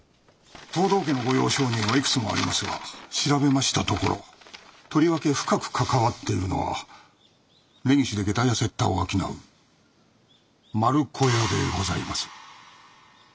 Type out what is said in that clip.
藤堂家の御用商人はいくつもありますが調べましたところとりわけ深く関わっているのは根岸で下駄や雪駄を商う丸子屋でございます。